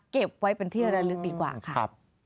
เก็บไว้เป็นที่ระลึกดีกว่าค่ะ